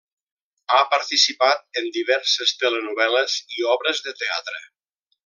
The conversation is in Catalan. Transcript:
Ha participat en diverses telenovel·les i obres de teatre.